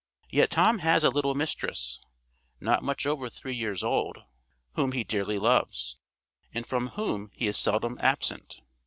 Yet Tom has a little mistress, not much over three years old, whom he dearly loves, and from whom he is seldom absent.